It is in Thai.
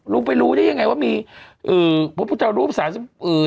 รู้ไปรู้ได้ยังไงว่ามีเอ่อพระพุทธรูปสามสิบเอ่อ